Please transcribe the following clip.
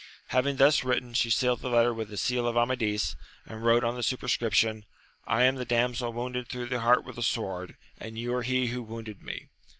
Having thus written, she sealed the letter with the seal of Amadis, and wrote on the superscription, I am the damsel wounded through the heart with a sword, and you are he who wounded me.